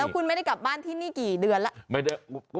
คุณไม่ได้กลับบ้านที่นี่กี่เดือนแล้ว